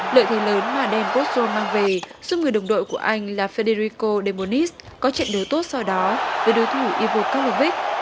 lợi thế lớn mà dan potro mang về giúp người đồng đội của anh là federico de bonis có trận đấu tốt sau đó với đối thủ ivo kovalevic